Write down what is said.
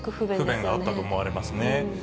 不便があったと思われますね。